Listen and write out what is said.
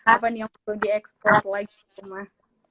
apa nih yang mau di eksplor lagi di rumah